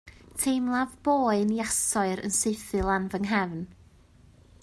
Teimlaf boen iasoer yn saethu lan fy nghefn